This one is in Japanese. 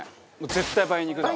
絶対、梅肉だ。